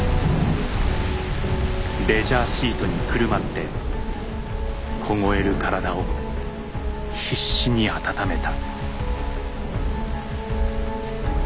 レジャーシートにくるまって凍える体を必死に温めた。